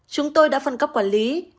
chúng tôi đã phân cấp quản lý